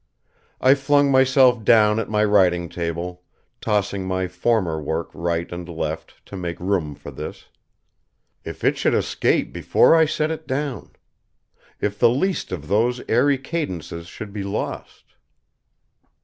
I flung myself down at my writing table, tossing my former work right and left to make room for this. If it should escape before I could set it down! If the least of those airy cadences should be lost!